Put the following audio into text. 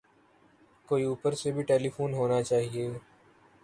کوئی اوپر سے بھی ٹیلی فون ہونا چاہئے